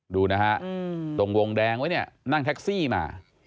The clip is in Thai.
ดูนะฮะตรงวงแดงไว้เนี่ยนั่งแท็กซี่มา